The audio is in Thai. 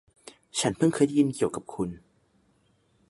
ฉันพึ่งเคยได้ยินเกี่ยวกับคุณ